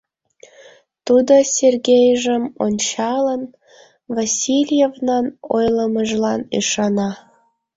Тудо, Сергейжым ончалын, Васильевнан ойлымыжлан ӱшана.